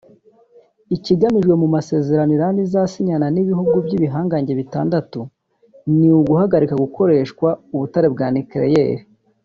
Ikigamijwe mu masezerano Iran izasinyana n’ibihugu by’ibihangange bitandatu ni uguhagarika gukoreshwa ubutare bwa Iranium